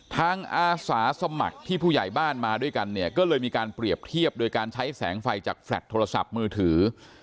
อาสาสมัครที่ผู้ใหญ่บ้านมาด้วยกันเนี่ยก็เลยมีการเปรียบเทียบโดยการใช้แสงไฟจากแฟลต์โทรศัพท์มือถือ